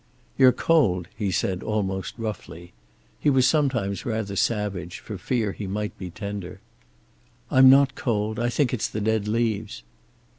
"You're cold," he said almost roughly. He was sometimes rather savage, for fear he might be tender. "I'm not cold. I think it's the dead leaves."